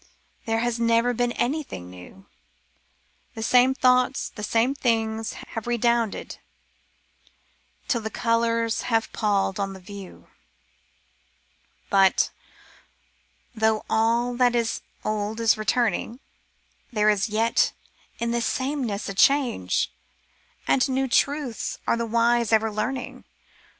There has never been anything new — The same thoughts, the same things, have redounded Till thp colours have pall'd on the view. But — though all that is old is returning. There is yet in this sameness a change ; And new truths are the wise ever learning.